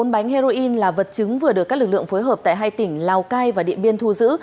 một trăm bốn mươi bốn bánh heroin là vật chứng vừa được các lực lượng phối hợp tại hai tỉnh lào cai và điện biên thu giữ